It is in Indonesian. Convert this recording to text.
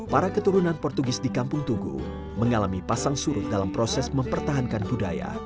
para keturunan portugis di kampung tugu mengalami pasang surut dalam proses mempertahankan budaya